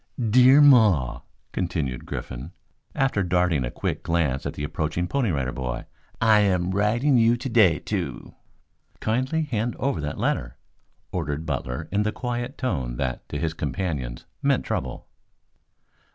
"'Dear Maw,'" continued Griffin, after darting a quick glance at the approaching Pony Rider Boy. "'I am writing you today to '" "Kindly hand over that letter," ordered Butler in the quiet tone that to his companions meant trouble.